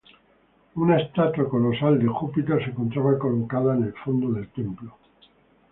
Una estatua colosal de Júpiter se encontraba colocada en el fondo del templo.